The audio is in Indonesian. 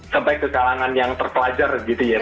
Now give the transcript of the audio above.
sampai ke kalangan yang terpelajar gitu ya